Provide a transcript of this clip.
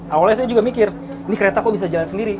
awalnya saya juga mikir ini kereta kok bisa jalan sendiri